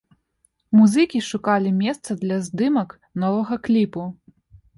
Музыкі шукалі месца для здымак новага кліпу.